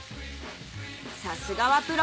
さすがはプロ。